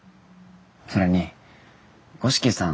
それに五色さん